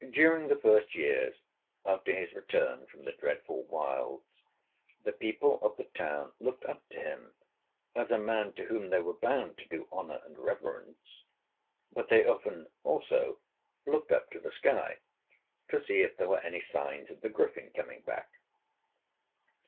During the first years after his return from the dreadful wilds, the people of the town looked up to him as a man to whom they were bound to do honor and reverence; but they often, also, looked up to the sky to see if there were any signs of the Griffin coming back.